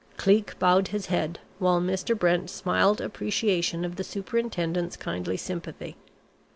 Cleek bowed his head, while Mr. Brent smiled appreciation of the Superintendent's kindly sympathy.